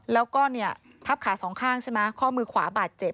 แล้วก็เนี่ยทับขาสองข้างใช่ไหมข้อมือขวาบาดเจ็บ